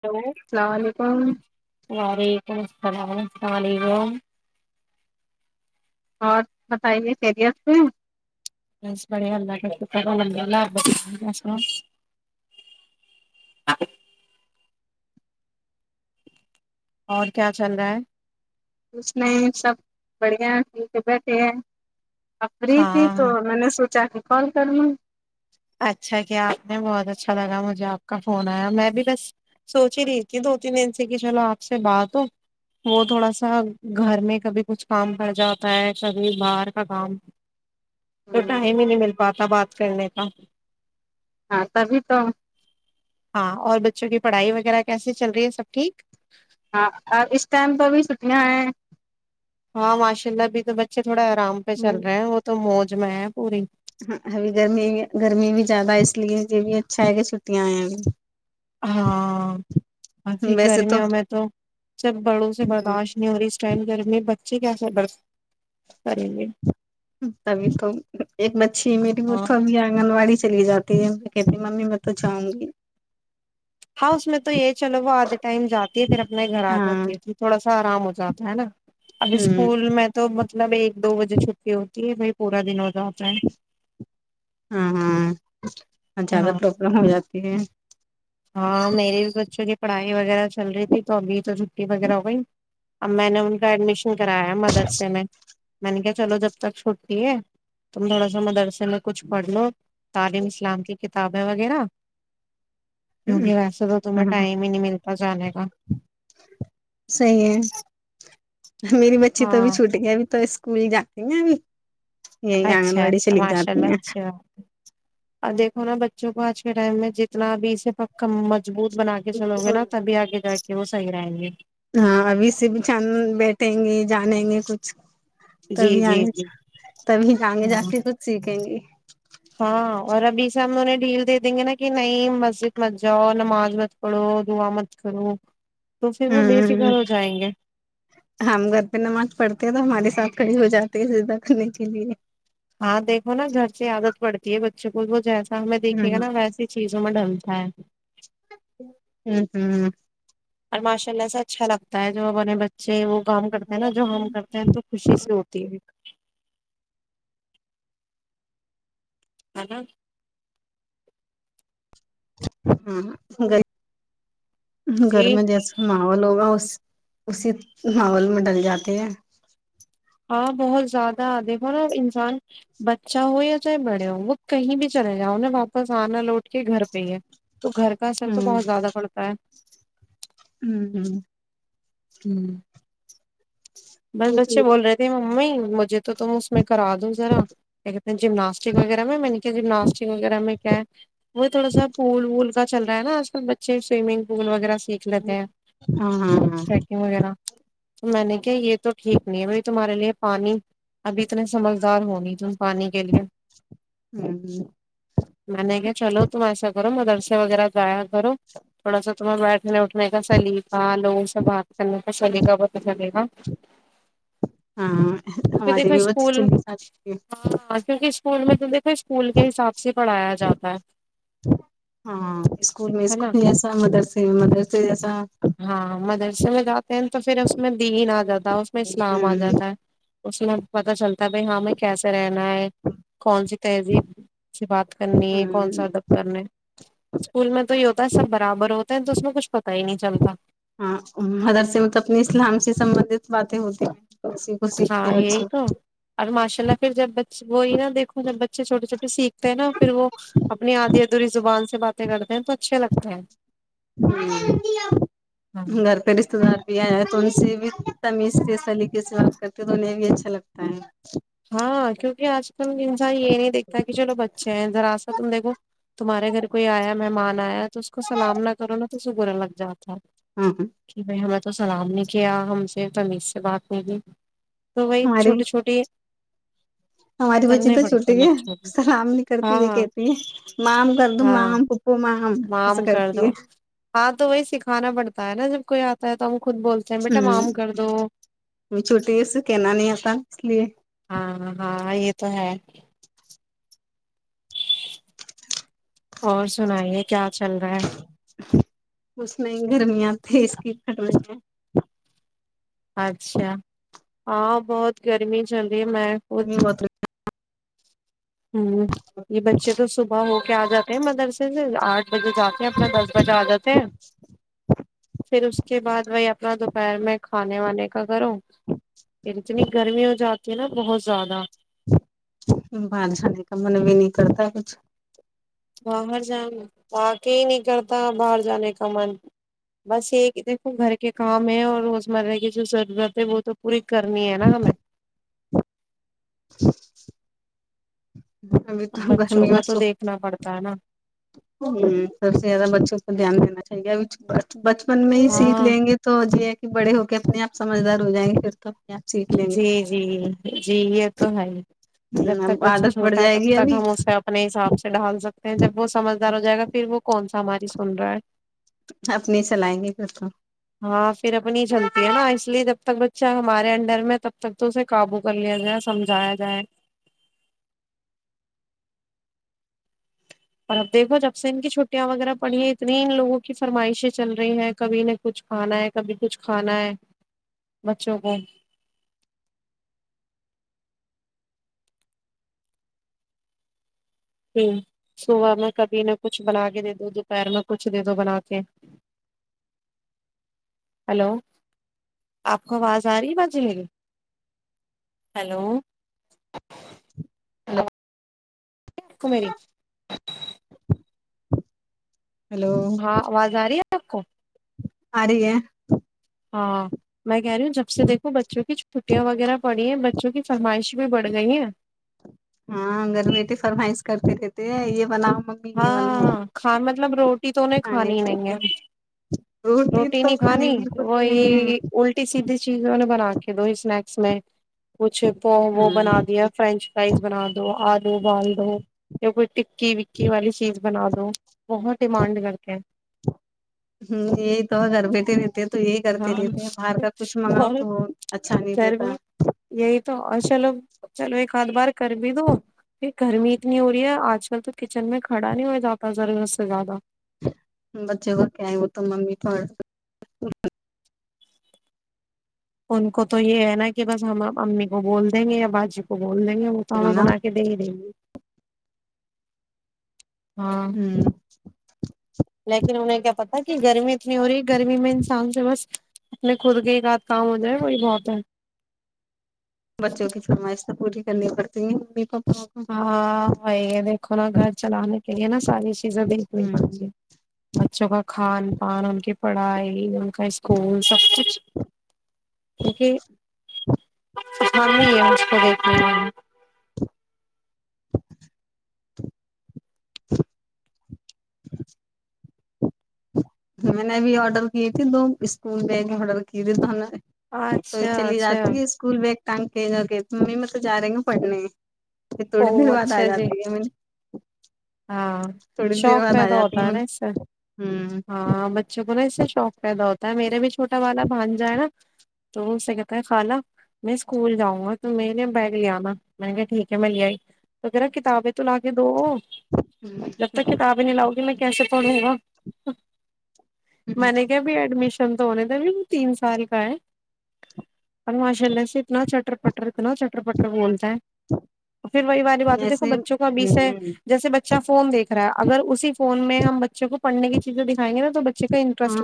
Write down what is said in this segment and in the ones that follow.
Hello السلام علیکم وارے [inaudible] السلام علیکم اور بتائیے سریئس میں بس بڑے اللہ کا شکر اور کیا چل رہا ہے؟ ک نہیں سب بڑھیا مل کے بیٹھے ہیں اآپ فری تھی تو ہاں میں نے سوچا کال کرنا اچھا کیا آپ نے بہت اچھا لگا مجھے آپ کا فون آیا میں بھی بس سوچ ہی رہی تھی دو تین دن سے کہ چلو آپ سے بات ہو وہ تھوڑا سا گھر میں کبھی کچھ کام کر جاتا ہے کبھی باہر کا کام تو ہوں، ٹیم ہی نہیں مل باتہ بات کرنے کا ہاں تبھی تو ہاں اور بچوں کی پڑھائی وغیرہ کیس چ رہ ہے سب ٹھیک ہاں اور اس ٹائم تو ا بھیھی چھٹیاں ہیں ہاں ماشاء اللہ بھی تو بچے تھوڑا آرام پہ چل رہے ہیں وہ تو موج موج میں پوری ہاں ابھی گرمی بھی گرمی بھی زیادہ اس لیے یہ بھی اچھا ہے کہ چھٹیاں آئ ہیں اب ہاں ابھر گرمیوں میں تو سب بڑوں سے ہوں، برداشت نہیں ہو رہی اس ٹائم گرمی ٹھیک ہے سر ب کریں گے ابھی تو ایک بچی میری وہ ہاں تو ابھی آنگن واڑی چلی جاتی ہے میں کہتی ممی میں تو جاؤں گی ہاں اس میں تو یہ ہے چلو وہ آد دا ٹائم جاتی ہے پھر اپنے گھر آ ہاں جاتی ہے پھر تھوڑا سا اچھا آرام جاتا ہے نا ابھی ہوں اسکول میں تو مطلب ایک دو بجے چھٹی ہوتی ہے ب پورا دن ہو جاتا ہے ہاں ہاں زیادہ ہاں پربلم ہو جات کہ ہاں میری بچوں کی پڑھائی وغیرہ چل رہی تھی تو ابھی تو چھٹی وغیرہ ہو گئی اب میں نے ان کا ایڈمیشن کرایا مدرسے میں میں نے کیا چلو جب تک چھٹٹی ہے تم تھوڑا سا مدرسہ لو کچھ پڑھ لو تعلیم اسلام کے کتابیں وغیرہ کیونکہ ہے ویسے تو تمہیں ٹائم ہی نہیں ملتا جانے کا صحیح ہے میری بچی تو بھی ہاں چھوٹ گیا ابھی تو اسکول جاتتی ہیں بھی اچھا اچھا ماشاء اللہ اچھا دیکھو نا بچوں کو آج کے ٹائم میں جتنا بھی اسے پ مضبوت بنا کے چلو گے نہ تب بھی آگے جا کے کہ وہ صحی رہیں گے ہاں ابھی سے بھی چان بیٹھیں گی جانیں گے کچھ جی تبھی جی آگے جی تبھی آگے جا ہاں کے خود سیکھیں گے [inaudible] ہاں اور ابھی سے ہم انہیں ڈھیل دے دیں گے نا کہ نہیں مسجد مت جاؤ نماز مت پڑھو دعا مت کرڑو ہ ہم گھر پہ نماز پڑھتے ہیں تو ہمارے ساتھ کڑے ہو جاتے ہیں زدا کرنے کے لیے ہاں دیکھو نا گھر سے عادت پڑتی ہے بچوں کو وہ جیس ہمیں دیکے گایسی چیز ڈل تھاائے ہوں ہوں اور ماشاء اللہ سے اچھا لگتا ہے جو ہمنے اچھے وہ کام کرتے ہیں نا جو ہم ہوں کرتے ہیں تو خوشی سےی ہوتی ہے ہ ہاں گ گھر جی مجے اس معوا لوگا ہو اسی ناول میں ڈل جاتے ہیں ہاں بہت زیادہ دیکھو نا انسان بچہ ہو یا چاہے بڑے ہو وہ کہیں بھی چلے جاؤیں واپس آنا لوٹ کے گھر پہ ہی ہے تو گھر کا اثر تو ہوں بہت زیادہ پڑتا ہے ہوں ہوں بس بچے بول رہے تھے مجھے تو تم اس میں کرا دوں ذرا کہتے جمناسٹک وغیرہ میں میں نے کیا جمناسٹک وغیرہ میں کیا ہے وہ تھوڑا سا پول وول کا چل رہ ہے نا آجل بچے سوئمنگ پول وغیرہ سیکھ لیتے ہیں ہاں ہاں ہاں ٹریکنگ وغیرہ تو میں نے کیا یہ تو ٹھیک نہیں ہے بائی تمہارے لیے پانی ابھی اتنے سمجھدار ہو نہیں تم پانی کے لیے ہوں میں نے کیا چلو تو ایسا کر مدرسا وغیرہ گا بر تھوڑا سا [inaudible] تم میں اٹھنے کا سلیفا لوگ سب بات کرنے شالیے گا بتس لے گا ہاں کیونکہ ہمارے دیکھو بھی اسکول چلے سات ہاں کیونکہ اسکول میں تو دیکھو اسکول کے حساب سے پڑھایا جاتا ہے ہاں اسکول میں ہے نا اسکول جسا مدرس میں مدرس جیسا [inaudible] ہاں مدرسے میں جاتے ہیں تو [inaudible] تو پھر اس میں [inaudible] دین آ جاتا ہے اس میں اسلام آ ہوں جاتا ہے اس میں پتا چلتا ہے بائی ہاں میں کیس رہ کون سی تہذیب سے بات کرنی ہے کون ہوں سا ادب کرنا ہے اسکول میں تو یہ ہوتا ہے سب برابر ہوتا اسس میں کچ پتا ہی نہیں چلتا ہاں مدرس ملب اپنے اسلام سے سبندت باتیں ہوتی [inaudible] سیکھتے ہاں یہی بچے تو اور ماشاء اللہ پھر جب بچے وہی نا دیکھو جب بچے چھوٹے چھوٹے سیکھتے ہیں نا پھر وہ اپنی آدھی ادھی زبان سے باتیں کرتے ہیں تو اچھے لگتے ہیں گھر پریست رہ تو ان سے بھی تمیز کے سلیقے سے بات کرتے تو انہیں بھی اچھا لگتا ہے ہاں کیونکہ آج کل انسان یہ نہیں دیکھتا کہ چلو بچے ہیں ذرا سا تم دیکھو تمہارے گھر کوئی آیا مہمان آیا تو اس کو سلام نہ کرو نا تو اسے برا لگ جاتا ہاں ہے بھائی ہم [inaudible] تو سلام نے کیا ہم سے تمیز سے بات نہیں ت [inaudible] تو وہی ہمارے چھوٹی چھوٹی [inaudible] ہماری بچی تو پڑتے چھوٹی ہیں ہے بچوں کو سرام نہیں کرتی ہاں یہ کہتی ہے ماںم کر د ہاں ماں پپو ماں معام کر دو ہاں تو وہی سکھانا پڑتا ہے نا جب کوئی آتا ہے تو خود بولتے ہیں بیٹا معام کر دو ہ چھٹی سے کہنا نہیں آتا اس لیے ہاں ہاں یہ تو ہے [inaudible] اور سنائیے کیا چل رہا ہے مسمے گرمیاں تھ اس کی کٹوس ہے اچھا ہاں بہت گرمی چل یہ مح خوود گرمی بہت ہوں یہ بچے تو صبح ہو کیا آ جاتے ہیں مدرسے سے آرٹ بجے جاتے ہیں اپنا دس بجے آ جاتے ہیں پھر اس کے بعد وہی اپنا دوپہر میں کھانے وانے کا کرو پھر اتنی گرمی ہو جاتی ہے نا بہت زیادہ بات جانے کا من بھی نہیں کرتا ہے کچھ باہر جان واقع ہی نہیں کرتا باہر جانے کا من بس یہ دیکھو گھر کے کام ہے اور روز مرہ کی جو ضرورت ہے وہ تو پوری کرنی ہے نا ہمیں [inaudible] ابھی اب تو بچوں کا تو دیکھنا پڑتا ہے نا ہ سب سے زیادہ بچوں کا دھیان دینا چاہیے ہے بچ من میں ہی سیکھ ہاں لیں گے تو جی بڑے ہو کے اپنے آپ سمجھدار ہو جائیں گے پھر توب جی جی جی یہ تو ہے جب گے تک اب بچہ عادت پڑ چھوٹا ہے جائے تب گی تک ابھی ہم اسے اپنے حساب سے ڈھال سکتے ہیں جب وہ سمجدار ہو جائے گا پھر وہ کون کون سا ہماری سن رہا ہے اپنی چلائیں گے پھر تو ہاں پھر اپنی چلتی نا اس لیے جب تک بچا ہے ہمارے انڈ ڈر میں تب تک تو اسے قابو کر لیا جائے سمجھایا جائے اور اب دیکھو جب سے ان کی چھٹیاں وغیرہ پڑی ہیں اتنی ان لوگوں کی فرمائشیں چل رہی ہے کبھی انہیں کچھ کھانا ہے کبھی کچھ کھانا ہے بچوں کو ہ صبح میں کبھی نہ کچھ بنا کے دے دو دوپہر میں کچھ دے دو بنا کے ہلو آپ کو آواز آ رہی بازلے گی ہلو ہلو کومری ہلو ہاں آواز آ رہی ہے سکو آ رہیک ہاں میں کہ رہی ہوں جب دیکو بچوں کی چھٹی وغیرہ پڑی ہے بچوں کی فرمائش بھی بڑی پڑ گئی ہیں ہاں گھر بیٹے فرمائش کرتے رہتے ہیں یہ بناؤ ممی یہ بناؤ ہاں کھان مطلب روٹی تو انہیں کھانے کھانی کے نہیں ہے لیے روٹی تو نہیں کھانے کھانی بالکل وہ بھی نہیں یہ الٹی سیدھی چیزوں نے بنا کے دو اسنیکس میں کچھ وہ ہے وہ بنا ہوں دیا فرینچ فرائز بنا دو آلو بال دو کوئی ٹکی بھی پکی والی چیز بنا تو بہت ڈیمانڈ کر کے ہ یہ تو ہو گر بیٹ تو یہی کرتے رہتے باہر ہاں کا کچھ منگاؤ اور تو وہ اچھا نہیں گھر دیتا میں کار بار کر بھی دو یہ گرمی اتنی ہو رہی ہے آج کل تو کچن میں کھڑا نہیں ہو جاتا ضرورت سے زیادہ بچے کو کیا ہے وہ تو ممی تو ان کو تو یہ ہے نا کہ بس ہم امی کو بول دیں گے یا باجی کو بول بول دیں گے وہ تو ہمیں بناؤ بنا کے دے ہی دیں گے ہاں ہوں لیکن انہیں کیا پتا کہ گرمی اتنی ہو رہی ہے گرمی میں انسان سے بس اپنے خود کے ایک ساتھ کام ہو جائے وہی بہت ہے بچوں کی فرمائش تو پوری ک پڑتی پاپا کو ہاں یہ دیکھو نا گھر چلانے کے لیے نا ساری چیزیں دیکھنی ہ پڑتی ہے بچوں کا کھان کان ان کے پڑھائے اسکول سب کچھ کیونکہ س یہ مج کو دیکھ [inaudible] میں نےب آڈر کی تھی دو اسکول بیگ آڈر کی تھھی تو تو اچھا چلی اچھا جاتی ہے اسکول بیگ تٹن کے جا کے ممی میں تو ج رہی ہوں پڑھنے پ تھوڑی او دیر بعد آ اچھا جی جاتی ہے م اچھا ہاں شوق پیدا ہوتا ہے نا اس سے میں ہاں بچوں کو نا اس سے شوق پیدا ہوتا [unintelligible] میرے بھی [unintelligible] چھوٹا والا بھان جائے نا تو اس سے کہتا ہے خالہ میں اسکول جاؤں گا تو میں نے بیگ لے آناا میں نے کہ ٹھیک ہے میں لے آئی تو کہہ رہا کتابیں تو لا کے دو جب تک کتاب ہی نہیں لاؤں گی میں کیس پڑولے گا [unintelligible] ہ [inaudible] م ہ گ بھی اڈمیشن تو ہونے د بھی وہ تین سال کا ہے اور ماشاء اللہ سے اتنا چٹر پٹر اتنا چٹر پٹر بول پھر وہی والاری بات ہے دیکھو ایسے بچوں کو ابھی سے ہوں جیسے بچہ فون دیکھ اگر اسی فون میں ہم بچے کو پڑنے کی چیز ہاں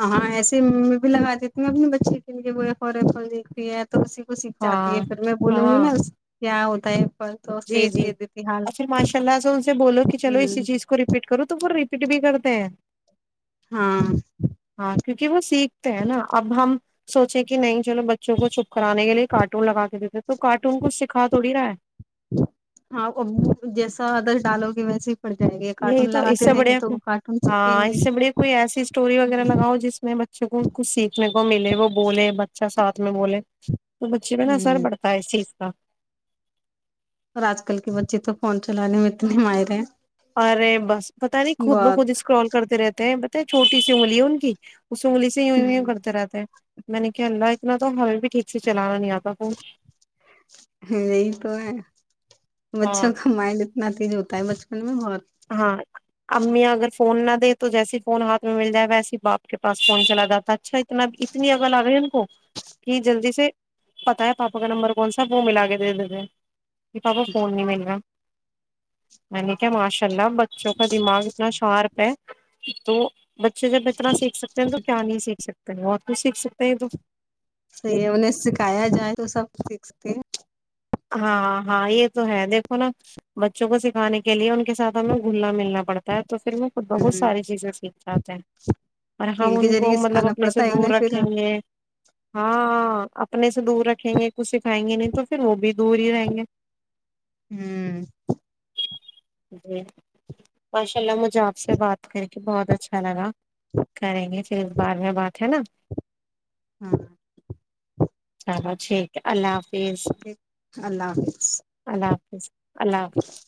ہ ہاں ایسے میں بھی لگا دیتے [unintelligible] اپنے بچے کے لیے وہویا خورے دیکھتی ہے تو اسی کو سیکھ چاتی ہے ہاں پھر میں بولوں گی ہاں نا کیا ہوتا ہے تو جی سیب جی دے دیتی حال اور پھر ماشاء اللہ سے ان سے بولو کہ چلو اسی ہوں چیز کو ریپیٹ کرو تو وہ فٹ بھی کرتے ہیں ہاں ہاں کیونکہ وہ سیکھتے ہیں نا اب ہم سوچیں کہ نہیں چلو بچوں کو چھپ کرانے کے لیے کارٹون لگاتے تو کارٹون کچھ سکھا تووڑی رہا ہے [unintelligible] ہاں ا جیسا آدرش ڈالو گے ویسے پڑ جائے گے یہی کارٹون تو اس لگاتے سے رہیں گے بڑھیا تو وہ کارٹون ہاں سیکھیں گی اس سے بڑھیا کوئی ایسی اسٹوری وغیرہ لگاؤ جس میں بچوں کو کچھ سیکھنے کو ملے وہ بولے بچہ ساتھ ت میں بولے [unintelligible] تو بچے پہ ن اثر ہوں پڑتا ہے اس چیز کا [unintelligible] اور آج کل کے بچے تو فون چلانے میں اتنے ماہر ہیں ارے بس پتہ نہیں خود میں بہت خود اسکرال کرتے رہتے ہیں ب چھوٹی سنگلی ہووں گ اس سگلی سے یوں ی کرتے رہتے ہیں میں نے کہ ال رہا اتنا تو ہمیں بھی ٹھیک سے چلانا نہیں آتا تو یہی تو ہے ہاں بچوں کا مائلڈ اتنا تیز ہوتا ائم اس میں ب [unintelligible] ہاں امی اگر فون نہ دے تو جیسے فون ہاتھ میں مل جائے ویسے باپ کے پس فون چلا جاتا اچھا [unintelligible] اتنا اتنی اگل آ گئی ان کو کہ جلدی سے پتا ہے پاپا کا نمبر کون سا وہ ملا کے دے دیتے ہیں یہ پاور فون نہیں مل رہا [unintelligible] م کے معش [inaudible] اللو [inaudible] بچوں کا دماغ اتنا شارپ ہے تو [inaudible] بچے جب اتنا سیکھ سکتے ہیں تو کیا نہیں سیکھ ستے بہت کچھ سیکھ سکتے ہیں تو ص یہ انہیں سکھایا جائے تو سب سیکھتے ہیں ہاں ہاں یہ تو ہے دیکھو نا بچوں کو سکھانے کے لیے ان کے ساتھ ہمیں گھلنا ملنا پڑتا ہے تو پھر ہم خ بہت ہ ساری چیزیں سیکھ جاتے ہیں اور کھیل ہم کے ان کو ذریعے مطلب سکھانا اپنے سے پڑتا ہے دور انہیں پھر رکھیں گے ہاں اپنے سے دور رکھیں گ سکھائیں گے نہیں تو پھر وہ بھی دور ہی رہیں گے ہوں [inaudible] جی ماشاء اللہ مجھے آپ سے بات کر کے بہت اچھا لگا کریں گے پھر اس بار میں بات ہے نا ہاں ہ [inaudible] چلو ٹھیک ہے اللہ حافظ اللہ حافظ اللہ حافظ اللہ حافظ